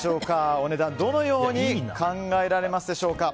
お値段、どのように考えられますでしょうか。